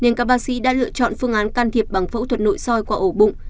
nên các bác sĩ đã lựa chọn phương án can thiệp bằng phẫu thuật nội soi qua ổ bụng